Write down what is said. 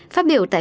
phát biểu tại